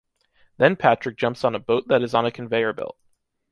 Then Patrick jumps on a boat that is on a conveyor belt.